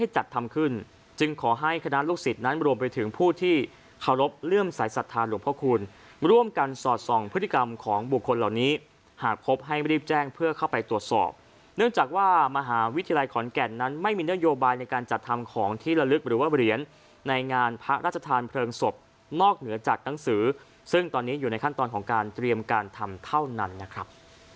จแสธารหลวงพระอาคุณร่วมกันสอดส่องพฤติกรรมของบุคคลเหล่านี้หากครบให้รีบแจ้งเพื่อเข้าไปตรวจสอบเนื่องจากว่ามหาวิทยาลัยขอนแก่งฐานั้นไม่มีโยบายในการจัดทำของที่ระลึกหรือว่าเปรียรในงานพระราชทานเผลิงศพนอกเหนือจากงังสือซึ่งตอนนี้อยู่ในขั้นตอนของการเตรียมการทำเท่านั้นนะครับ